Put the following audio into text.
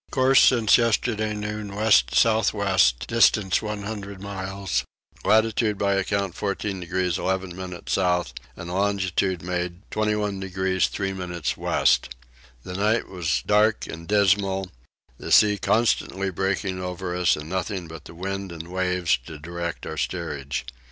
Course since yesterday noon west south west distance 100 miles; latitude by account 14 degrees 11 minutes south and longitude made 21 degrees 3 minutes west. The night was dark and dismal: the sea constantly breaking over us and nothing but the wind and waves to direct our steerage.